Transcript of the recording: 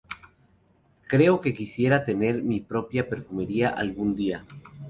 Creo que quisiera tener mi propia perfumería algún día".